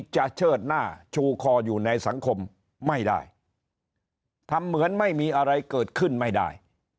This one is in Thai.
เชิดหน้าชูคออยู่ในสังคมไม่ได้ทำเหมือนไม่มีอะไรเกิดขึ้นไม่ได้